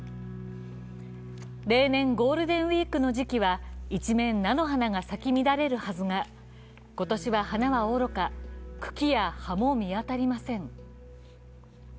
例年、ゴールデンウイークの時期は一面、菜の花が咲き乱れるはずが今年は花はおろか、茎や葉も見当たりません。